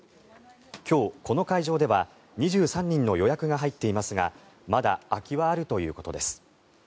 今日、この会場では２３人の予約が入っていますがまだ空きはあるということです。